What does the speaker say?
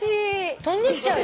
飛んでっちゃうよ。